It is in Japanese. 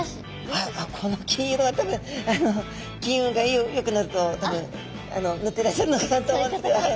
あっこの金色は多分金運がよくなるとぬっていらっしゃるのかなと思うんですけど。